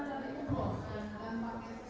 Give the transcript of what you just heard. dari ubh dan paket